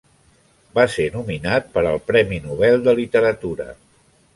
Va ser nominat per al Premi Nobel de Literatura.